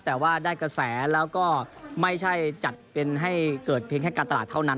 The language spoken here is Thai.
แต่ว่าได้กระแสแล้วก็ไม่ใช่จัดเป็นให้เกิดเพียงแค่การตลาดเท่านั้น